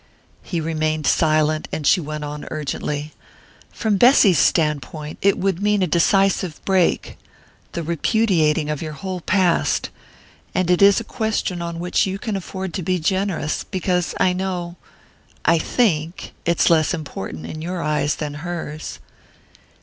He remained silent, and she went on urgently: "From Bessy's standpoint it would mean a decisive break the repudiating of your whole past. And it is a question on which you can afford to be generous, because I know...I think...it's less important in your eyes than hers...."